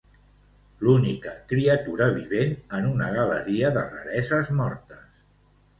L'única criatura vivent en una galeria de rareses mortes.